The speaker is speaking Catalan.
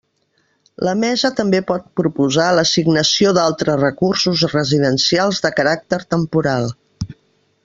La Mesa també pot proposar l'assignació d'altres recursos residencials de caràcter temporal.